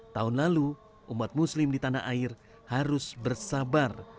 tahun lalu umat muslim di tanah air harus bersabar